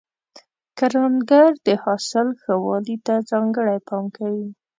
کروندګر د حاصل ښه والي ته ځانګړی پام کوي